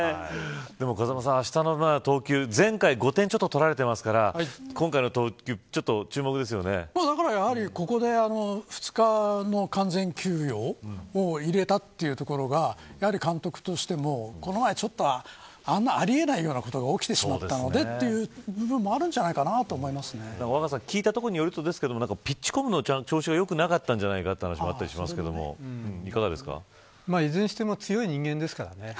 風間さん、あしたの投球前回５点を取られてますからだからやはりここで２日の完全休養を入れたというところが監督としてもこの前ちょっとあんな、あり得ないようなことが起きてしまったのでということがあるんじゃないかな聞いたところによるとピッチコムの調子が良くなかったんじゃないかという話もあったりしますがいかがですか。